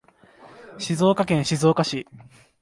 静岡県静岡市